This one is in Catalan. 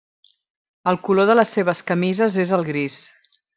El color de les seves camises és el gris.